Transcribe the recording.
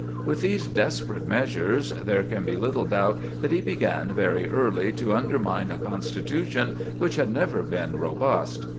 With these desperate measures, there can be little doubt that he began very early to undermine a constitution which had never been robust.